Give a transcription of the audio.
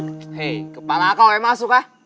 hei kepala kau yang masuk hah